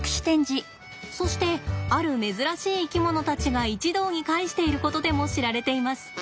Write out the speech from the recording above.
そしてある珍しい生き物たちが一堂に会していることでも知られています。